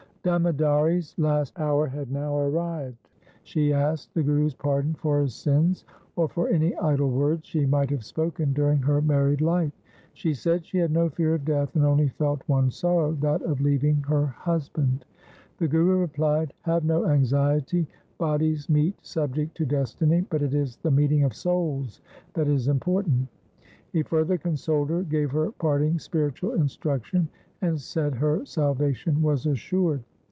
Damodari's last hour had now arrived. She asked the Guru's pardon for her sins or for any idle words she might have spoken during her married life. She said she had no fear of death and only felt one sorrow, that of leaving her husband. The Guru replied, ' Have no anxiety Bodies meet subject to destiny, but it is the meeting of souls that is important.' He further consoled her, gave her parting spiritual instruction, and said her salvation was assured.